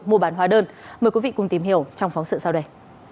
mua bán hóa đơn mời quý vị cùng tìm hiểu trong phóng sự sau đây